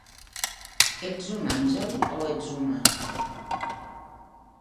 Ets un àngel o ets humà?